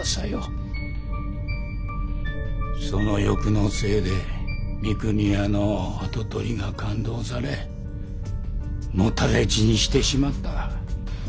その欲のせいで三国屋の跡取りが勘当され野たれ死にしてしまった。